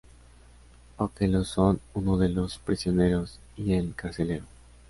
O que lo son uno de los prisioneros y el carcelero.